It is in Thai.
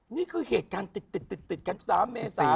นี่คือเหตุการณ์ติดกัน๓เมษา